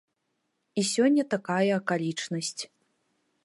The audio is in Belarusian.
І сёння такая акалічнасць.